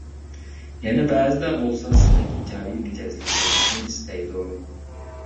يەنە بەزىلەر بولسا سىزدەك ئىجابىي مىجەزلىك بولۇشنى ئىستەيدۇ.